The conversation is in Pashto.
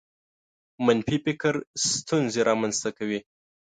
منفي فکر ستونزې رامنځته کوي.